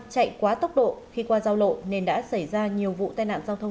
chạy quá tốc độ khi qua giao lộ nên đã xảy ra nhiều vụ tai nạn giao thông